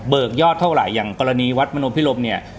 เบิกยอดเท่าไรอย่างกรณีวัดมนุภิรมเนี้ย